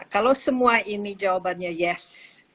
kalau semua ini jawabannya yes